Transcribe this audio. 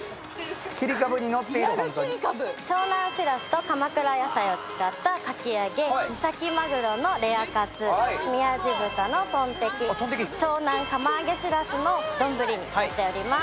湘南しらすと鎌倉野菜を使ったかき揚げ、三崎マグロのレアカツ、みやじ豚のトンテキ、湘南釜揚げしらすのどんぶりになっています。